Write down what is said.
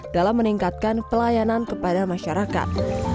dalam meningkatkan pelayanan kepada masyarakat